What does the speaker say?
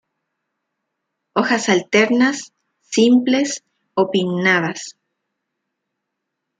Hojas alternas, simples o pinnadas.